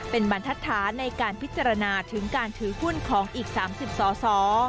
เป็นบรรทัศน์ในการพิจารณาถึงการถือหุ้นของอีก๓๐สส